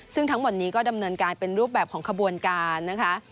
ซึ่งทั้งหมดนี้ก็ดำเนินการเป็นรูปแบบของขบวนการนะคะ